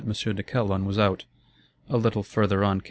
de Calonne was out. A little further on came M.